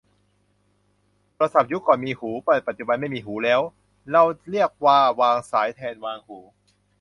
โทรศัพท์ยุคก่อนมีหู แต่ปัจจุบันไม่มีหูแล้ว เราเรียกว่าวางสายแทนวางหู